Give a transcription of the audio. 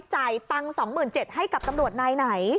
จ่ายตังค์๒๗๐๐ให้กับตำรวจนายไหน